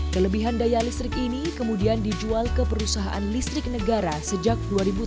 kelebihan daya listrik ini kemudian dijual ke perusahaan listrik negara sejak dua ribu tujuh belas